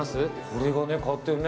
これが変わってるね。